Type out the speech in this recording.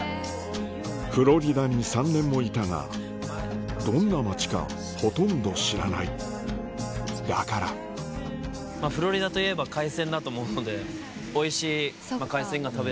フロリダに３年もいたがどんな街かほとんど知らないだからフロリダの地元っぽい。